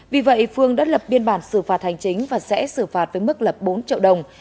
vì vậy phương đã lập biên bản xử phạt hành chính và sẽ xử phạt với mức lập bốn triệu đồng